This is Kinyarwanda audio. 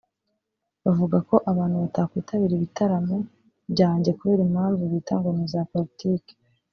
bavuga ko abantu batakwitabira ibitaramo byanjye kubera impamvu bita ngo ni iza politike